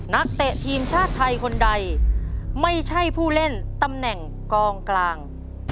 เตะทีมชาติไทยคนใดไม่ใช่ผู้เล่นตำแหน่งกองกลาง